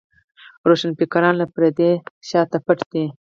روښانفکران له پردې شاته پټ دي.